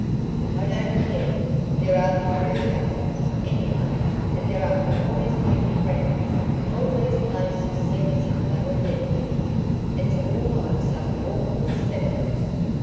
"I don't care there are the roof gardens, anyway; and there are always people round. All these places seem as if they were dead. It's all like some awful cemetery."